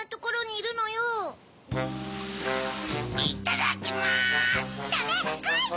いっただきます！